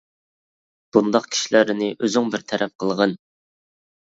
بۇنداق كىشىلەرنى ئۆزۈڭ بىر تەرەپ قىلغىن!